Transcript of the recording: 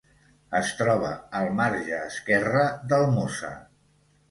Es troba al marge esquerre del Mosa.